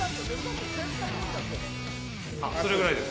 それぐらいです。